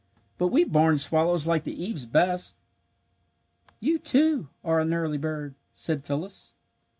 But we barn swallows like the eaves best." "You, too, are an early bird," said Phyllis.